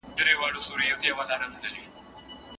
د چا په مشوره باید ښه لارښود وټاکل سي؟